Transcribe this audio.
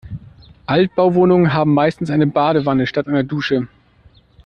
Altbauwohnungen haben meistens eine Badewanne statt einer Dusche.